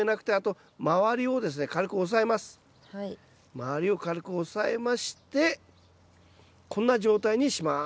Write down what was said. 周りを軽く押さえましてこんな状態にします。